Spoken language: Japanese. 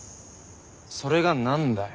それがなんだよ。